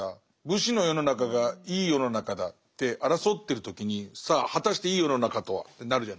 武士の世の中がいい世の中だって争ってる時にさあ果たしていい世の中とはってなるじゃないですか。